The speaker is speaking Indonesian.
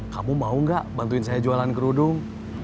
kamu mau gak bantuin saya jualan kerudung